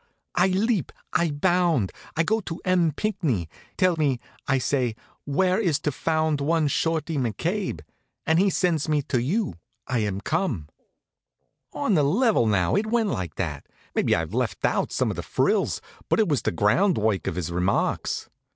I leap, I bound! I go to M. Pinckney. 'Tell me,' I say, 'where is to be found one Shorty McCabe?' And he sends me to you. I am come." On the level, now, it went like that. Maybe I've left out some of the frills, but that was the groundwork of his remarks.